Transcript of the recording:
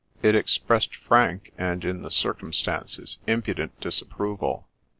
It expressed frank and (in the circumstances) impudent disapproval.